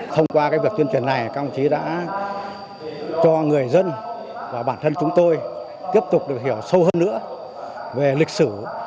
thông qua việc tuyên truyền này các ông chí đã cho người dân và bản thân chúng tôi tiếp tục được hiểu sâu hơn nữa về lịch sử